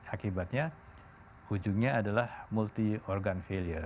akibatnya ujungnya adalah multi organ failure